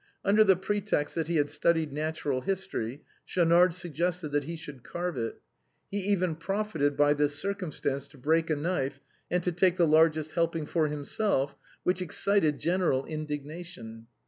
Under the pretext that he had studied natural history, Schaunard suggested that he should carve it. He even profited by this circumstance to break a knife and to take the largest help for himself, which excited general indignation.